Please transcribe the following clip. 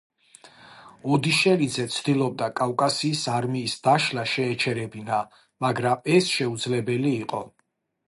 ოდიშელიძე ცდილობდა კავკასიის არმიის დაშლა შეეჩერებინა, მაგრამ ეს შეუძლებელი იყო.